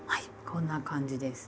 こんな感じです。